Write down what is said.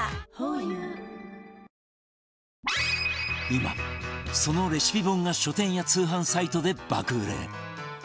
今そのレシピ本が書店や通販サイトで爆売れ！